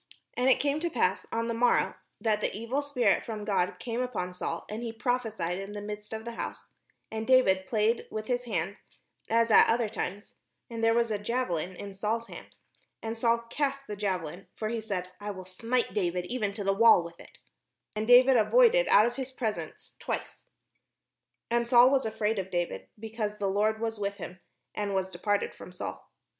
And it came to pass on the morrow, that the evil spirit from God came upon Saul, and he prophesied in the midst of the house: and David played with his hand, as at other times : and there was a JaveUn in Saul's hand. And Saul cast the javelin; for he said, "I will smite David even to the wall with it." And David avoided out of his presence twice. And Saul was afraid of David, because the Lord was with him, and was departed from Saul.